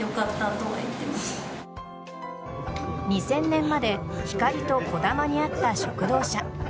２０００年までひかりとこだまにあった食堂車。